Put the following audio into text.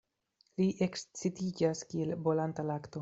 Li ekscitiĝas kiel bolanta lakto.